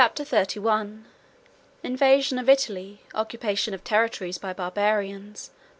] Chapter XXXI: Invasion Of Italy, Occupation Of Territories By Barbarians.